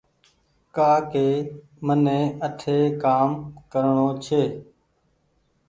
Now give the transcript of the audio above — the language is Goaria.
ڪآ ڪي مني آٺي ڪآم ڪرڻو ڇي